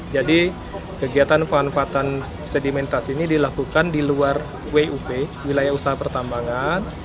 jadi kegiatan manfaatan sedimentasi ini dilakukan di luar wup wilayah usaha pertambangan